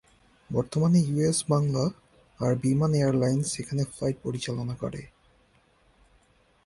বর্তমানে ইউএস বাংলা আর বিমান এয়ারলাইন্স এখানে ফ্লাইট পরিচালনা করে।